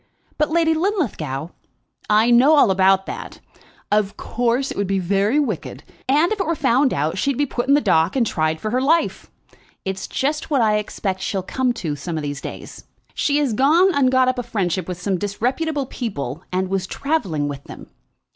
"But, Lady Linlithgow " "I know all about that. Of course, it would be very wicked, and if it were found out she'd be put in the dock and tried for her life. It is just what I expect she'll come to some of these days. She has gone and got up a friendship with some disreputable people, and was travelling with them.